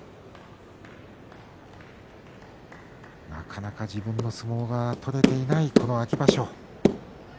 なかなか自分の相撲が取れていない、この秋場所。